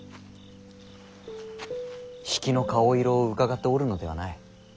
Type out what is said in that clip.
比企の顔色をうかがっておるのではない。